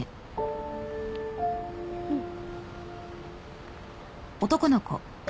うん。